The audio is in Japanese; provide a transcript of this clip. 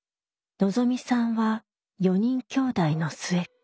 のぞみさんは４人きょうだいの末っ子。